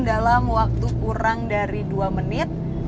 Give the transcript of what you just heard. dalam waktu kurang dari dua menit